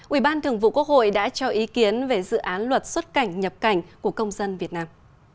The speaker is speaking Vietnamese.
ubth đã cho ý kiến về dự án luật xuất cảnh nhập cảnh của công dân việt nam